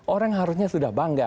orang harusnya sudah bangga